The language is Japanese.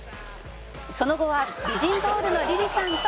「その後は美人ドールのりりさんと